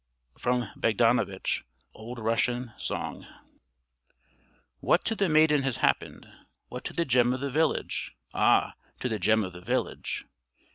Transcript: FROM BOGDANOVICH (OLD RUSSIAN) SONG What to the maiden has happened? What to the gem of the village? Ah! to the gem of the village.